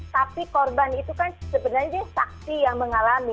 tapi korban itu kan sebenarnya saksi yang mengalami